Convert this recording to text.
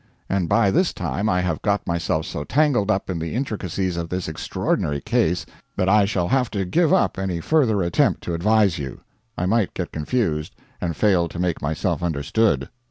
And by this time I have got myself so tangled up in the intricacies of this extraordinary case that I shall have to give up any further attempt to advise you I might get confused and fail to make myself understood.